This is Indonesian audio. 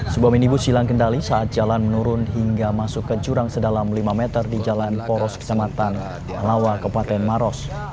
sebuah minibus hilang kendali saat jalan menurun hingga masuk ke jurang sedalam lima meter di jalan poros kecamatan lawa kepaten maros